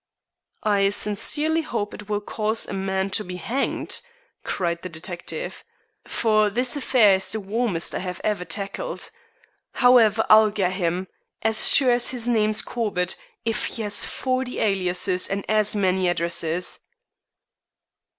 "I sincerely hope it will cause a man to be hanged," cried the detective, "for this affair is the warmest I have ever tackled. However, I'll get him, as sure as his name's Corbett, if he has forty aliases and as many addresses."